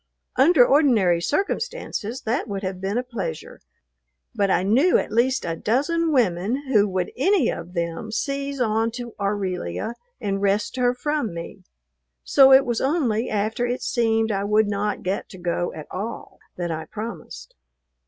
Under ordinary circumstances that would have been a pleasure, but I knew at least a dozen women who would any of them seize on to Aurelia and wrest her from me, so it was only after it seemed I would not get to go at all that I promised.